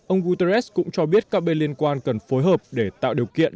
ông guterres cũng cho biết các bên liên quan cần phối hợp để tạo điều kiện